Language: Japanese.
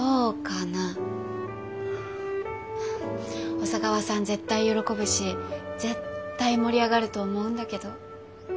小佐川さん絶対喜ぶし絶対盛り上がると思うんだけど。